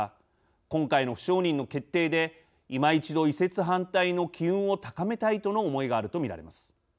今回の不承認の決定でいま一度、移設反対の機運を高めたいとの思いがあるとみられます。